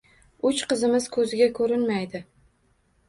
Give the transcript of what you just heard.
Uch qizimiz ko`ziga ko`rinmaydi